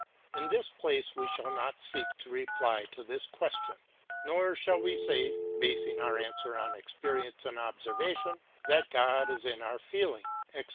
In this place we shall not seek a reply to this question; nor shall we say, basing our answer on experience and observation, that God is in our feeling, etc.